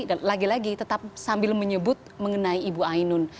dan lagi lagi tetap sambil menyebut mengenai ibu ainun